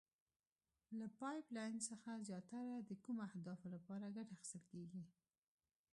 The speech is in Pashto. له پایپ لین څخه زیاتره د کومو اهدافو لپاره ګټه اخیستل کیږي؟